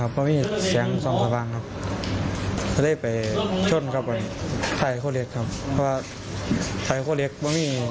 ประมาณ๕๖สิบครับ